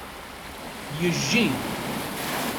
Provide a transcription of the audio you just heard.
Yejji.